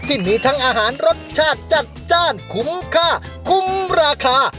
ที่มีทั้งอาหารรสชาติจัดจ้านคุ้มค่าคุ้มราคา